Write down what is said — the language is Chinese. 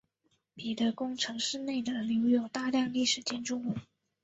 彼得宫城市内的留有大量历史建筑物。